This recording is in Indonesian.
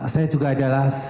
saya juga adalah